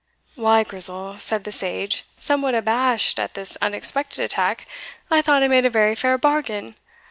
"Why, Grizel," said the sage, somewhat abashed at this unexpected attack, "I thought I made a very fair bargain."